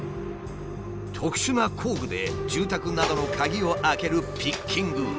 特殊な工具で住宅などの鍵を開けるピッキング。